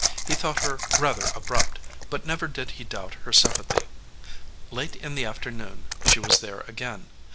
He thought her rather abrupt, but never did he doubt her sym pathy. Late in the afternoon she was there again.